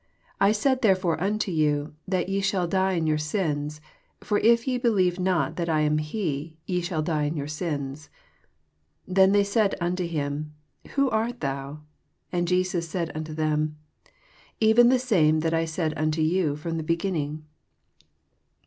24 I mud therefore onto yon, that ye flhall die in your sins: for if ye believe not that I am Ae, ye shall <Ue in your sins. 25 Then said they nnto him, Who art thou 7 And Jesus saith nnto them, £yen the same that I said unto you from the beginning.